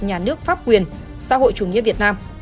nhà nước pháp quyền xã hội chủ nghĩa việt nam